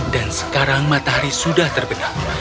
dan sekarang matahari sudah terbenam